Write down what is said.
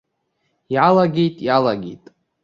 Иалагеит, иалагеит!